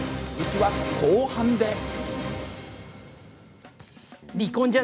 続きは後半で。